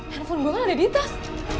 handphone gue kan ada di tas